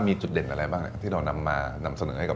เมืองโอกินาว่าทำหมดเลยนะครับ